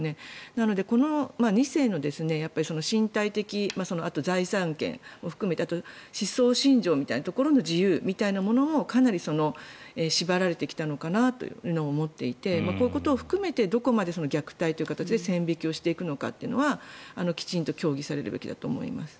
なので、この２世の身体的あと財産権を含めてあと思想信条みたいなところの自由みたいなものをかなり縛られてきたのかなと思っていてこういうことを含めてどこまで虐待という形で線引きしていくのかはきちんと協議されるべきだと思います。